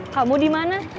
kamu di mana